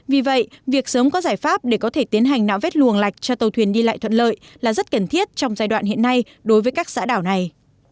vì vậy việc sớm có giải pháp để có thể tiến hành nạo vét luồng lạch cho tàu thuyền đi lại thuận lợi là rất cần thiết trong giai đoạn hiện nay đối với các xã đảo này